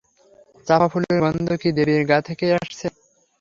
চাঁপা ফুলের গন্ধ কি দেবীর গা থেকেই আসছে?